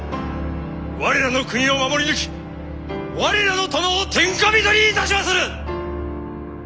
我らの国を守り抜き我らの殿を天下人にいたしまする！